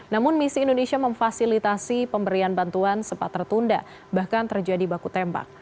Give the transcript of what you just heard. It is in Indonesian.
namun misi indonesia memfasilitasi pemberian bantuan sempat tertunda bahkan terjadi baku tembak